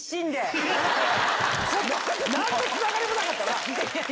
何のつながりもなかったな。